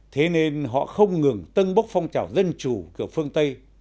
thế nên họ không ngừng tân bốc phong trào dân chủ kiểu phương tây